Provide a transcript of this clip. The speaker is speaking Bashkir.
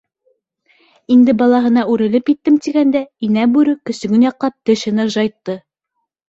- Инде балаһына үрелеп еттем тигәндә, инә бүре, көсөгөн яҡлап, тешен ыржайтты.